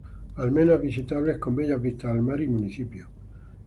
Almenas visitables con bellas vistas al mar y municipio.